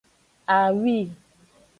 Awi.